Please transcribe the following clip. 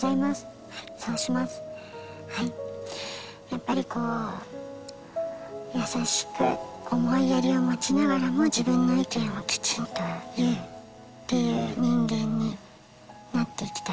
やっぱりこう優しく思いやりを持ちながらも自分の意見をきちんと言うっていう人間になっていきたいです。